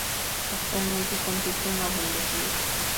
Actualmente compite en la Bundesliga.